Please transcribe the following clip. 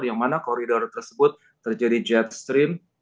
yang mana koridor tersebut terjadi jet stream